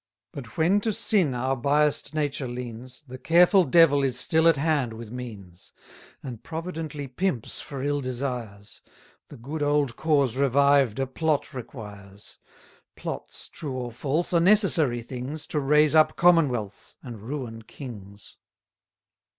But when to sin our biass'd nature leans, The careful devil is still at hand with means; 80 And providently pimps for ill desires: The good old cause revived a plot requires. Plots, true or false, are necessary things, To raise up commonwealths, and ruin kings.